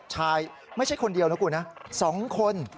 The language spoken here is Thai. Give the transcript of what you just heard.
ใช่ไม่ใช่คนเดียวนะครับสองคน